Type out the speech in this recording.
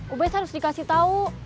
ubed harus dikasih tahu